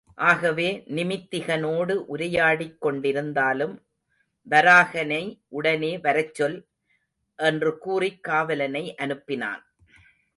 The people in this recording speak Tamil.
ஆகவே நிமித்திகனோடு உரையாடிக் கொண்டிருந்தாலும், வராகனை உடனே வரச்சொல்? என்றுகூறிக் காவலனை அனுப்பினான்.